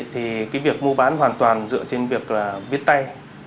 thì cái việc mua bán hoàn toàn dựa trên việc là biết tay